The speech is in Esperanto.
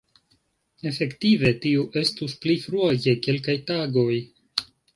Efektive tiu estus pli frua je kelkaj tagoj.